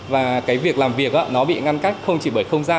và cái việc làm việc nó bị ngăn cách không chỉ bởi không gian